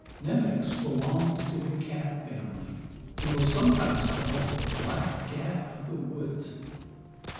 Nemox belonged to the cat family, and was sometimes called "the black cat of the woods."